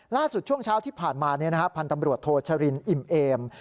ล่าสุดช่วงเช้าที่ผ่านมาพันธมรวจโทชรินอิมเอม